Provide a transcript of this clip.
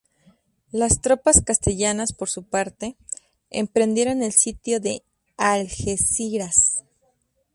Las tropas castellanas, por su parte, emprendieron el sitio de Algeciras.